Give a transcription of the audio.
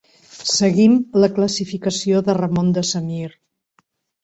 Seguim la classificació de Ramon de Semir.